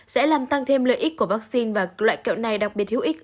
sẽ làm tăng thêm lợi ích của vaccine và loại kẹo này đặc biệt hữu ích